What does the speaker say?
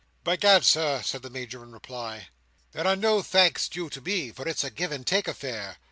"By Gad, Sir," said the Major, in reply, "there are no thanks due to me, for it's a give and take affair.